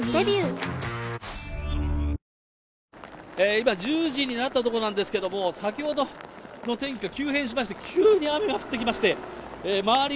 今、１０時になったところなんですけれども、先ほどの天気が急変しまして、急に雨が降ってきまして、周り